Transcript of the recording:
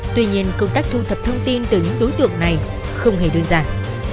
tuy nhiên công tác thu thập thông tin từ những đối tượng này không hề đơn giản